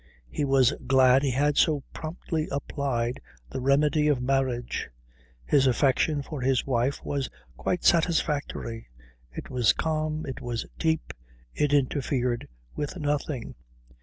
He was glad he had so promptly applied the remedy of marriage. His affection for his wife was quite satisfactory: it was calm, it was deep, it interfered with nothing.